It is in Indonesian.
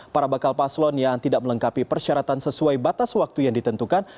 para bakal paslon yang tidak melengkapi persyaratan sesuai batas waktu yang ditentukan